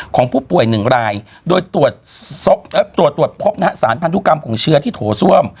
ของผู้ป่วยหนึ่งรายโดยตรวจพบนะฮะสารพันธุกรรมของเชื้อที่โถ้าซ่วม